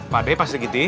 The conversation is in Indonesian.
pak deh pak sirikiti